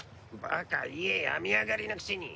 バカ言え病み上がりのくせに。